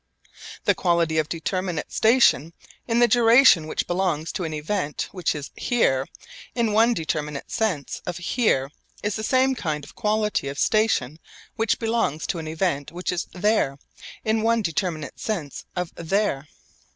The quality of determinate station in the duration which belongs to an event which is 'here' in one determinate sense of 'here' is the same kind of quality of station which belongs to an event which is 'there' in one determinate sense of 'there.'